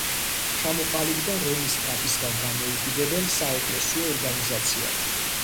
ჩამოყალიბდა რომის პაპისგან დამოუკიდებელ საეკლესიო ორგანიზაციად.